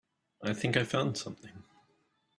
I think I found something.